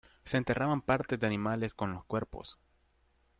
Se enterraban partes de animales con los cuerpos.